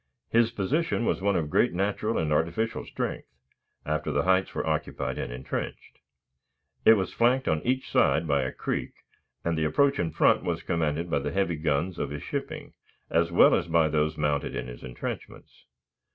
His position was one of great natural and artificial strength, after the heights were occupied and intrenched. It was flanked on each side by a creek, and the approach in front was commanded by the heavy guns of his shipping, as well as by those mounted in his intrenchments.